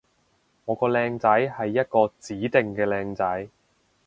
我個靚仔係一個指定嘅靚仔